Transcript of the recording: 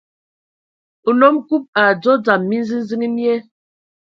A nnom Kub a adzo dzam minziziŋ mie,